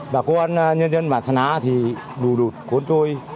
và cô ăn nhân dân bản sa ná thì đù đụt cuốn trôi